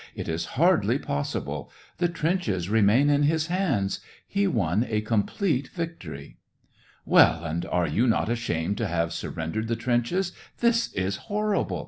" It is hardly possi ble. The trenches remained in his hands ... he won a complete victory." Well, and are you not ashamed to have sur rendered the trenches ? This is horrible !